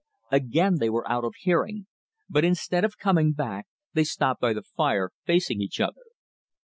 Again they were out of hearing, but instead of coming back they stopped by the fire facing each other.